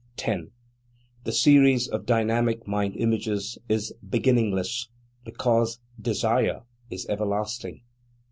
10. The series of dynamic mind images is beginningless, because Desire is everlasting.